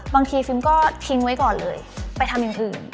ฟิล์มก็ทิ้งไว้ก่อนเลยไปทำอย่างอื่น